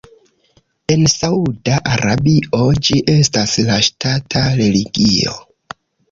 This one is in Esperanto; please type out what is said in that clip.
En Sauda Arabio ĝi estas la ŝtata religio.